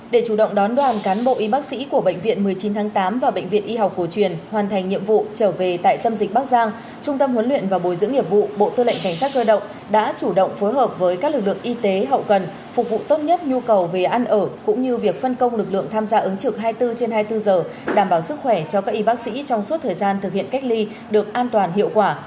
để chủ động đón đoàn cán bộ y bác sĩ của bệnh viện một mươi chín tháng tám và bệnh viện y học của truyền hoàn thành nhiệm vụ trở về tại tâm dịch bắc giang trung tâm huấn luyện và bồi sử nghiệp vụ bộ tư lệnh cảnh sát cơ động đã chủ động phối hợp với các lực lượng y tế hậu cần phục vụ tốt nhất nhu cầu về ăn ở cũng như việc phân công lực lượng tham gia ứng trực hai mươi bốn trên hai mươi bốn giờ đảm bảo sức khỏe cho các y bác sĩ trong suốt thời gian thực hiện cách ly được an toàn hiệu quả